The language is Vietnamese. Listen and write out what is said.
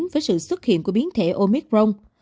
với sự xuất hiện của biến thể omicron